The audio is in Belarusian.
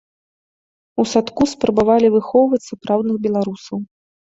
У садку спрабавалі выхоўваць сапраўдных беларусаў.